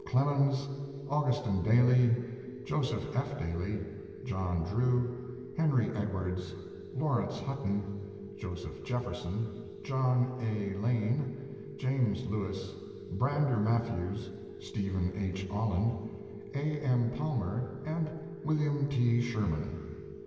Clemens, Augustin Daly, Joseph F. Daly, John Drew, Henry Edwards, Laurence Hutton, Joseph Jefferson, John A. Lane, James Lewis, Brander Matthews, Stephen H. Olin, A. M. Palmer, and William T. Sherman.